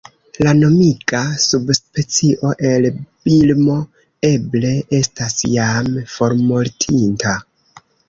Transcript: La nomiga subspecio el Birmo eble estas jam formortinta.